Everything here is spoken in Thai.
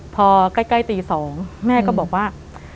พอใกล้ตี๒แม่ก็บอกว่า